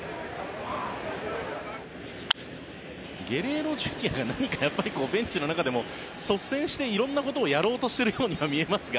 ゲレーロＪｒ．が何かベンチの中でも率先して色んなことをやろうとしているようには見えますが。